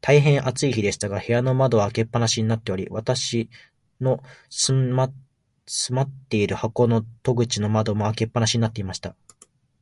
大へん暑い日でしたが、部屋の窓は開け放しになっており、私の住まっている箱の戸口も窓も、開け放しになっていました。